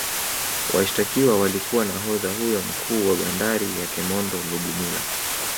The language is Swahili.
Washitakiwa walikuwa nahodha huyo mkuu wa bandari ya kemondo Lugumila